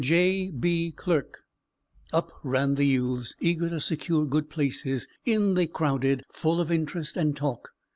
J.B. Clerk." Up ran the youths, eager to secure good places: in they crowded, full of interest and talk.